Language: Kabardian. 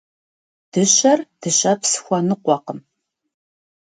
Дыщэр дыщэпс хуэныкъуэкъым.